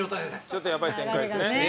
ちょっとヤバい展開ですね。